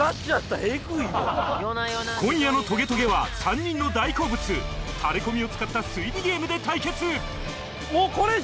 今夜の『トゲトゲ』は３人の大好物タレコミを使った推理ゲームで対決